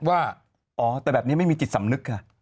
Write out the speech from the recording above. ว่าอ๋อแต่แบบนี้ไม่มีจิตสำนึกค่ะ